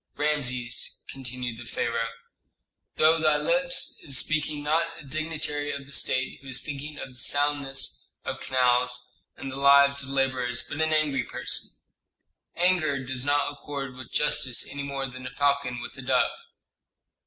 "Rameses," continued the pharaoh, "through thy lips is speaking not a dignitary of the state who is thinking of the soundness of canals and the lives of laborers, but an angry person. Anger does not accord with justice any more than a falcon with a dove."